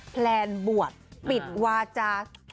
แพลนบวชปิดวาจา